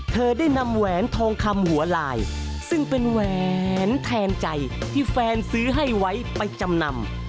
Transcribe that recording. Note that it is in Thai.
เธอได้นำแหวนทองคำหัวลายซึ่งเป็นแหวนแทนใจที่แฟนซื้อให้ไว้ไปจำนำ